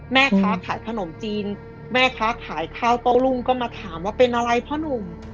แม่ค้าขายขนมจีนแม่ค้าขายข้าวโต้รุ่งก็มาถามว่าเป็นอะไรพ่อหนุ่ม